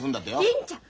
銀ちゃん！